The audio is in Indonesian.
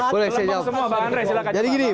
boleh saya jawab jadi gini